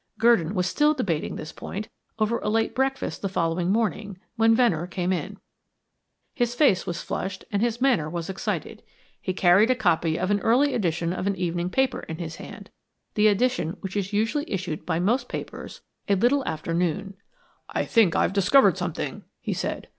Gurdon was still debating this point over a late breakfast the following morning, when Venner came in. His face was flushed and his manner was excited. He carried a copy of an early edition of an evening paper in his hand the edition which is usually issued by most papers a little after noon. "I think I've discovered something," he said.